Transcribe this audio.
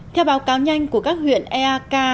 theo báo cáo nhanh của các huyện eak